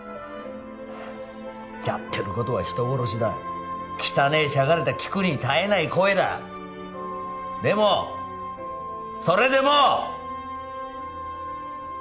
やってることは人殺しだ汚えしゃがれた聞くに堪えない声だでもそれでも！